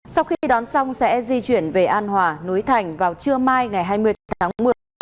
sau khi đón xong sẽ di chuyển về an hòa núi thành vào trưa mai ngày hai mươi tháng một mươi